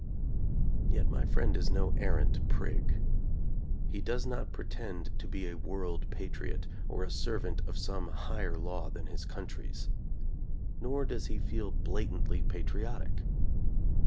Yet my friend is no arrant prig. He does not pretend to be a "world patriot," or a servant of some higher law than his country's. Nor does he feel blatantly patriotic.